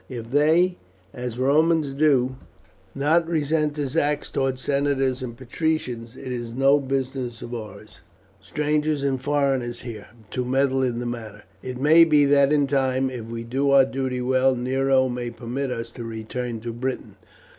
If they as Romans do not resent his acts towards senators and patricians it is no business of ours, strangers and foreigners here, to meddle in the matter. It may be that in time, if we do our duty well, Nero may permit us to return to Britain."